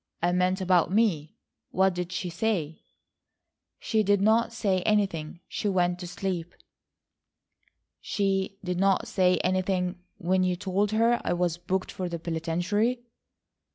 I meant about me. What did she say?" "She did not say anything. She went to sleep." "She did not say anything when you told her I was booked for the penitentiary?"